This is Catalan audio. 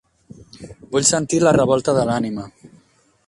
Vull sentir La revolta de l'ànima.